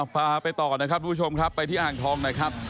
พาไปต่อนะครับทุกผู้ชมครับไปที่อ่างทองหน่อยครับ